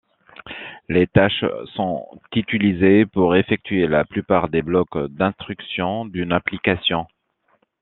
Les tâches sont utilisées pour effectuer la plupart des blocs d’instruction d’une application.